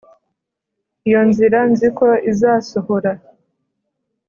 iyo nzira nzi ko izasohora.